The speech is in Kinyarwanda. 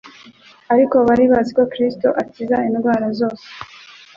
ariko bari bazi ko Kristo akiza indwara zose.